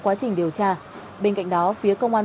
quá trình điều tra bên cạnh đó phía công an